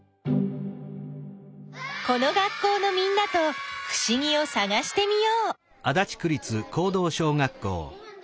この学校のみんなとふしぎをさがしてみよう。